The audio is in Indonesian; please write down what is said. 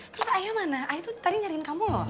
terus ayah mana ayah tuh tadi nyariin kamu loh